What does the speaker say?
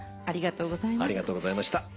ありがとうございます。